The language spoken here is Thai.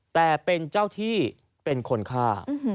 แต่เป็นเจ้าที่เป็นคนฆ่า